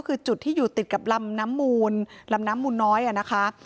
ซึ่งมีหมู่บ้านที่ไปเจอโดยปังเอิญ